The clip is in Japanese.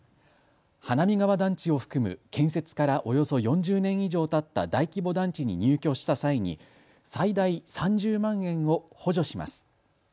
花見川団地を含む建設からおよそ４０年以上たった大規模団地に入居した際に最大３０万円を補助します。